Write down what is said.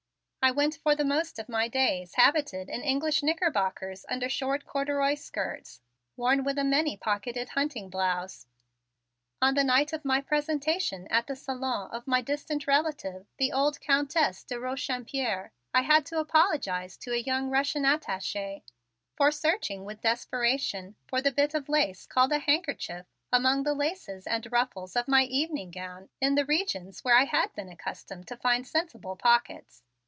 I went for the most of my days habited in English knickerbockers under short corduroy skirts, worn with a many pocketed hunting blouse. On the night of my presentation at the salon of my distant relative, the old Countess de Rochampierre, I had to apologize to a young Russian attaché for searching with desperation for the bit of lace called a handkerchief, among the laces and ruffles of my evening gown in the regions where I had been accustomed to find sensible pockets.